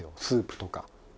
スープとか。